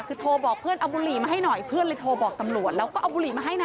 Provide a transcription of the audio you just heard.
คือโทรบอกเพื่อนเอาบุหรี่มาให้หน่อยเพื่อนเลยโทรบอกตำรวจแล้วก็เอาบุหรี่มาให้นะ